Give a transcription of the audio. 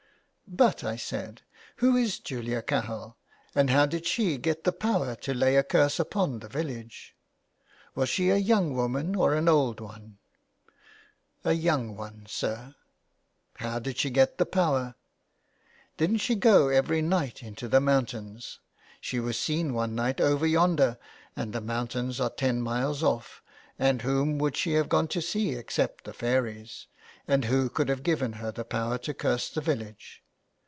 *' But/' I said, '' who is Julia Cahill, and how did she get the power to lay a curse upon the village ? Was she a young woman or an old one ?"'' A young one, sir." " How did she get the power? "" Didn't she go every night into the mountains ? She was seen one night over yonder, and the moun tains are ten miles off, and whom would she have gone to see except the fairies ? And who could have given her the power to curse the village